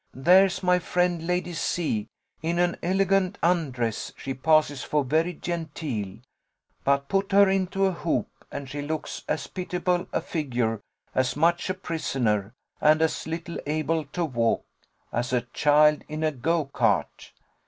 There's my friend Lady C ; in an elegant undress she passes for very genteel, but put her into a hoop and she looks as pitiable a figure, as much a prisoner, and as little able to walk, as a child in a go cart.